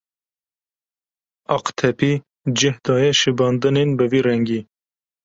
Aqtepî cih daye şibandinên bi vî rengî.